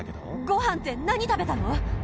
ご飯って何食べたの？